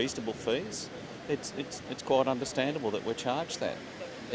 itu cukup memahami bahwa kita dihukum